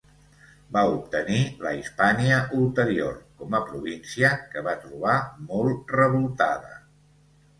Va obtenir la Hispània Ulterior com a província que va trobar molt revoltada.